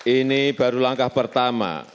ini baru langkah pertama